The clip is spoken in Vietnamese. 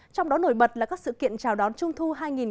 trong đó nổi bật là các sự kiện chào đón trung thu hai nghìn một mươi chín